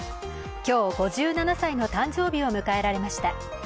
今日、５７歳の誕生日を迎えられました。